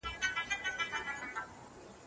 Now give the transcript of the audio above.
اندېښنه مه کوئ.